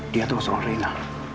dia terus sama rina